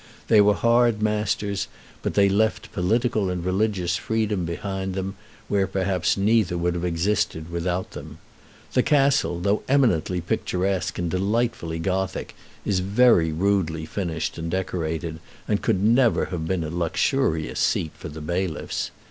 They were hard masters, but they left political and religious freedom behind them, where perhaps neither would have existed without them. The castle, though eminently picturesque and delightfully Gothic, is very rudely finished and decorated, and could never have been a luxurious seat for the bailiffs.